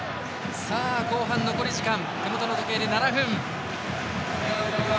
後半残り時間、手元の時計で７分。